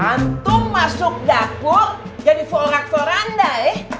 antum masuk dapur jadi fuor aktor anda eh